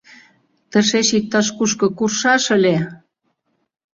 «Тышеч иктаж-кушко куржшаш ыле!